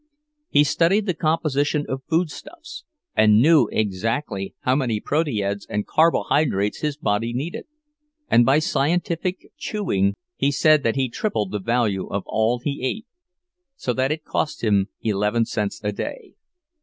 He studied the composition of food stuffs, and knew exactly how many proteids and carbohydrates his body needed; and by scientific chewing he said that he tripled the value of all he ate, so that it cost him eleven cents a day.